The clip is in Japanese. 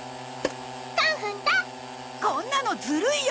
こんなのずるいよ！